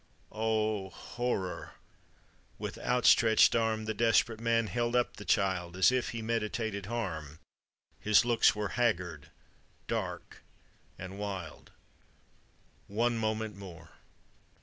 Oh! horror! with outstretched arm The desp'rate man held up the child As if he meditated harm ; His looks were haggard, dark, and wild. One moment more!